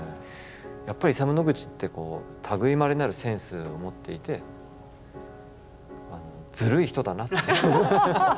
やっぱりイサム・ノグチってこう類いまれなるセンスを持っていてずるい人だなって。